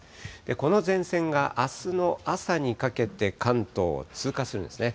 この前線があすの朝にかけて関東を通過するんですね。